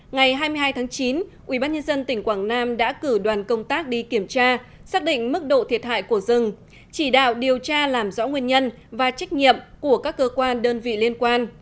ngày hai mươi hai tháng chín ubnd tỉnh quảng nam đã cử đoàn công tác đi kiểm tra xác định mức độ thiệt hại của rừng chỉ đạo điều tra làm rõ nguyên nhân và trách nhiệm của các cơ quan đơn vị liên quan